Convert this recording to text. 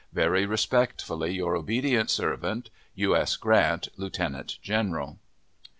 Very respectfully your obedient servant, U. S. GRANT, Lieutenant General.